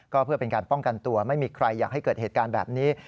ก็เพื่อเป็นการป้องกันตัวไม่มีใครอยากให้เกิดเหตุการณ์แบบนี้